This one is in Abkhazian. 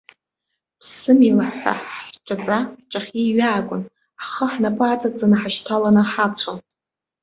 Ԥссмилаҳ ҳәа ҳҿаҵа ҳҿахьы иҩаагон, ҳхы ҳнапы аҵаҵаны ҳашьҭаланы ҳацәон.